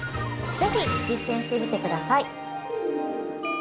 ぜひ、実践してみてください。